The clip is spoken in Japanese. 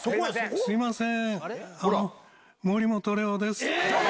すみません。